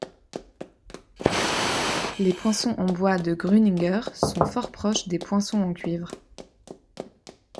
Les poinçons en bois de Grüniger sont fort proches des poinçons en cuivre.